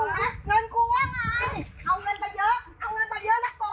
เงินกูว่าไง